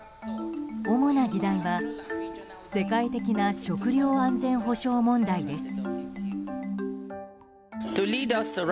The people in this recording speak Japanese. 主な議題は世界的な食料安全保障問題です。